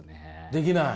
できない？